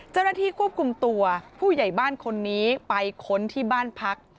เจ้าหน้าที่ควบคุมตัวผู้ใหญ่บ้านคนนี้ไปค้นที่บ้านพัก